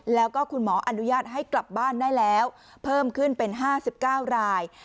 แล้วก็คุณหมออนุญาตให้กลับบ้านได้แล้วเพิ่มขึ้นเป็น๕๙ราย